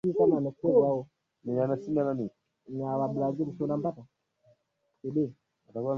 Ni jambo la busara taasisi za Serikali kuwa mstari wa mbele katika usimamizi wake